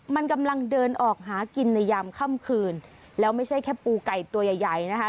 มันกำลังเดินออกหากินในยามค่ำคืนแล้วไม่ใช่แค่ปูไก่ตัวใหญ่ใหญ่นะคะ